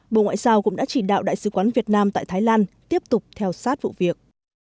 bộ ngoại giao cũng đã chỉ đạo đại sứ quán việt nam tại thái lan tiếp tục theo sát vụ việc